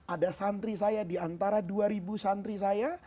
ada santri saya diantara dua ribu santri saya